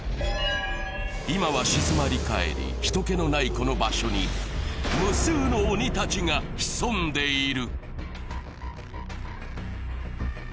今は静まり返り、ひと気のないこの場所に、無数の鬼たちが潜んでいる。